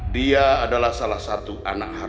dia adalah salah satu anaknya